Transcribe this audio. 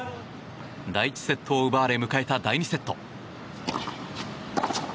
第１セットを奪われ迎えた第２セット。